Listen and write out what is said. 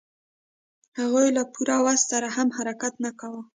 هغوی له پوره وس سره هم حرکت نه کاوه.